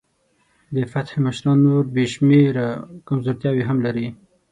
د فتح مشران نورې بې شمېره کمزورتیاوې هم لري.